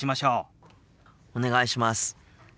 お願いします。